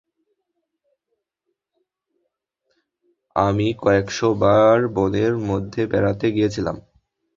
আমি কয়েকশ বার বনের মধ্যে বেড়াতে গিয়েছিলাম।